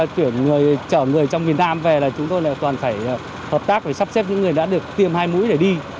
chúng tôi toàn phải hợp tác và sắp xếp những người đã được tiêm hai mũi để đi